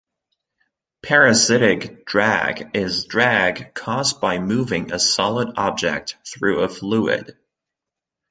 Parasitic drag is drag caused by moving a solid object through a fluid.